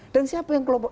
dan siapa yang kelompok